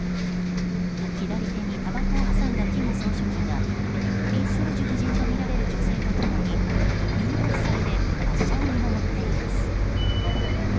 左手にたばこを挟んだ金総書記がリ・ソルジュ夫人とみられる女性と共に、耳を塞いで発射を見守っています。